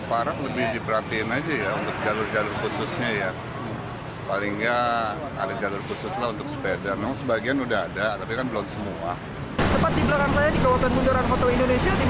pemprov dki jakarta menanggapi insiden kecelakaan yang terjadi